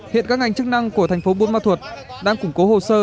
hiện các ngành chức năng của thành phố buôn ma thuột đang củng cố hồ sơ